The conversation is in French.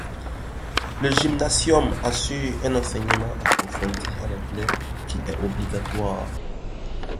Le gymnasium assure un enseignement approfondi en anglais qui est obligatoire.